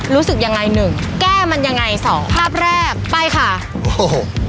รู้สึกยังไงหนึ่งแก้มันยังไงสองภาพแรกไปค่ะโอ้โห